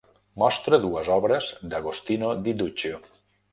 Mostra dues obres d'Agostino di Duccio.